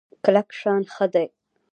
کلک شان ښه دی.